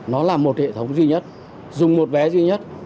nó là một hệ thống duy nhất dùng một vé duy nhất